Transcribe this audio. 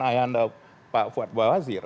ayanda pak fuad bawazir